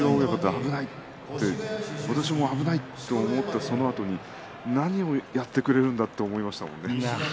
私も危ないと思ったそのあとに何をやってくれるんだと思いましたものね。